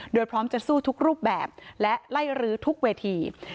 โดยพร้อมจะสู้ทุกรูปแบบและไล่รื้อทุกเวที